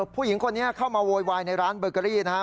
ผู้หญิงคนนี้เข้ามาโวยวายในร้านเบอร์เกอรี่นะครับ